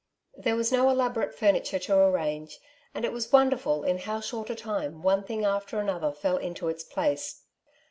There was no elaborate furniture to arrange, and it was wonderful in how short a time one thing after another fell into its place.